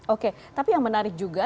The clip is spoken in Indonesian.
oke tapi yang menarik juga